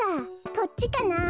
こっちかなあ。